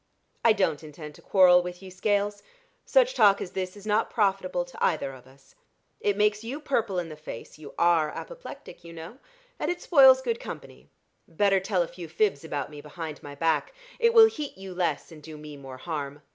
"I don't intend to quarrel with you, Scales. Such talk as this is not profitable to either of us. It makes you purple in the face you are apoplectic, you know and it spoils good company. Better tell a few fibs about me behind my back it will heat you less, and do me more harm.